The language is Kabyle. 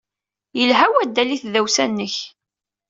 Yelha waddal i tdawsa-nnek.